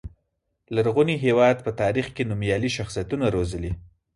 لرغوني هېواد په تاریخ کې نومیالي شخصیتونه روزلي.